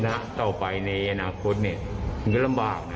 เอาไปในอนาคตเนี่ยมันก็ลำบากน่ะ